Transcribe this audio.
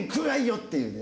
っていうね。